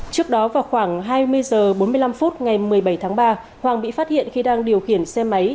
trước đó vào khoảng hai mươi h bốn mươi năm phút ngày một mươi bảy tháng ba hoàng bị phát hiện khi đang điều khiển xe máy